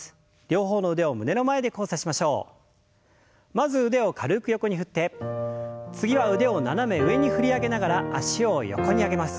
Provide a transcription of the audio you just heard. まず腕を軽く横に振って次は腕を斜め上に振り上げながら脚を横に上げます。